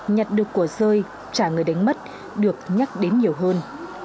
nhặt được của rơi trả người đánh mất được nhắc đến nhiều hơn